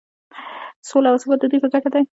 سوله او ثبات د دوی په ګټه دی.